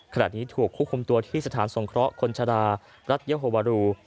ขณะนี้ถูกควบคุมตัวที่สถานสงเคราะห์คนชะดารัฐเยโฮวารู